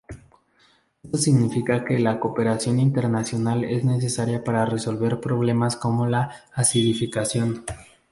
Esto significa que la cooperación internacional es necesaria para resolver problemas como la acidificación.